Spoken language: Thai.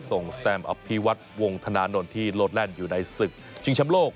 ส่งสแตมอัพพีวัฒน์วงธนาโนที่โลดแลนด์อยู่ในศึกจึงชั้นโลก